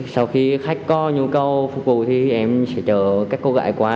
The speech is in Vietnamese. sau khi khách có nhu cầu phục vụ thì em sẽ chờ các cô gái qua